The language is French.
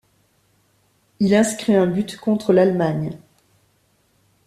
Il inscrit un but contre l'Allemagne.